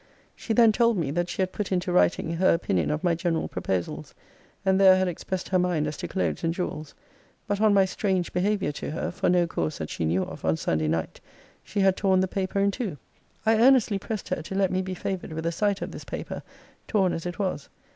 She then told me, that she had put into writing her opinion of my general proposals; and there had expressed her mind as to clothes and jewels: but on my strange behaviour to her (for no cause that she knew of) on Sunday night, she had torn the paper in two. I earnestly pressed her to let me be favoured with a sight of this paper, torn as it was.